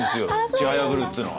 「ちはやぶる」っつうのは。